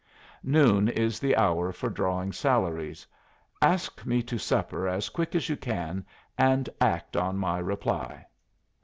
Noon is the hour for drawing salaries. Ask me to supper as quick as you can, and act on my reply.'